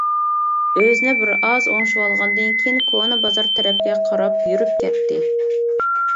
ئۆزىنى بىر ئاز ئوڭشىۋالغاندىن كېيىن كونا بازار تەرەپكە قاراپ يۈرۈپ كەتتى.